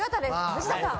藤田さん！